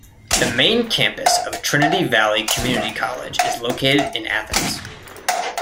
The main campus of Trinity Valley Community College is located in Athens.